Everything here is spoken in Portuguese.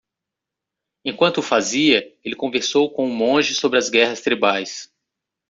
Enquanto o fazia, ele conversou com o monge sobre as guerras tribais.